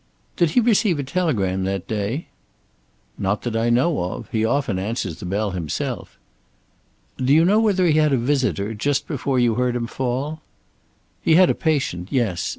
"Did he receive a telegram that day?" "Not that I know of. He often answers the bell himself." "Do you know whether he had a visitor, just before you heard him fall?" "He had a patient, yes.